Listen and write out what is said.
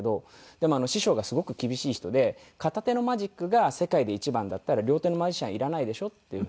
でも師匠がすごく厳しい人で「片手のマジックが世界で一番だったら両手のマジシャンいらないでしょ」っていうふうに言われて。